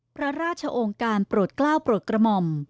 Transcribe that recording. พระราชองค์การปรุดกล้าวปรุดกรมม